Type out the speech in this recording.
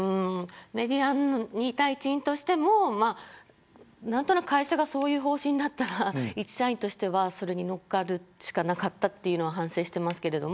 メディアにいた一員としても何となく会社がそういう方針だったらいち社員としてはそれに乗っかるしかなかったというのは反省してますけど。